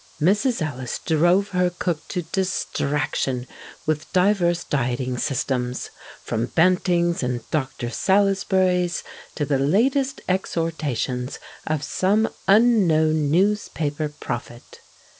Mrs. Ellis drove her cook to distraction with divers dieting systems, from Banting's and Dr. Salisbury's to the latest exhortations of some unknown newspaper prophet.